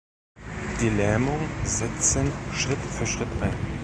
Die Lähmung setzen Schritt für Schritt ein.